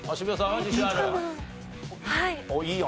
はい。